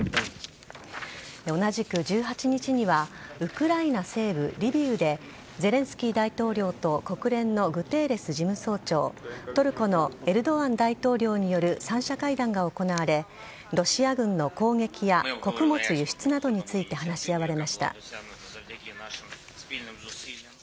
同じく１８日にはウクライナ西部・リビウでゼレンスキー大統領と国連のグテーレス事務総長トルコのエルドアン大統領による三者会談が行われロシア軍の攻撃や穀物輸出などについて話し合われました。